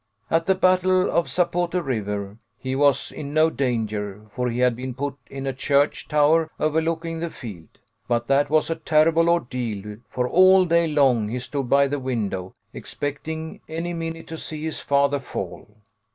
At the battle of Zapote River he was in no danger, for he had been put in a church tower overlooking the field. But that was a terrible ordeal, for all day long he stood by the window, expect ing any minute to see his father fall.